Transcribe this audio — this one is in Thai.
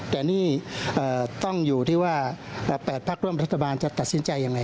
แต่นี่ต้องอยู่ที่ว่า๘พักร่วมรัฐบาลจะตัดสินใจยังไง